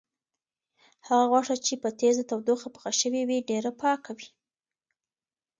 هغه غوښه چې په تیزه تودوخه پخه شوې وي، ډېره پاکه وي.